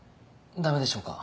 だめでしょうか。